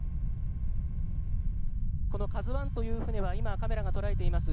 「ＫＡＺＵ１」という船は今カメラが捉えています